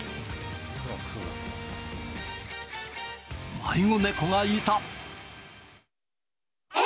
迷子猫がいた。